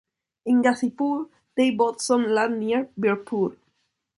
In Ghazipur they bought some land near Birpur.